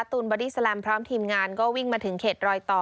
บอดี้แลมพร้อมทีมงานก็วิ่งมาถึงเขตรอยต่อ